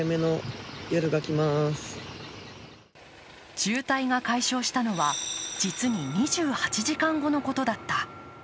渋滞が解消したのは実に２８時間後のことだった。